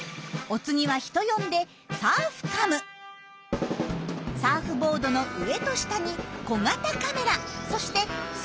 お次は人呼んでサーフボードの上と下に小型カメラそしてスクリューをつけました。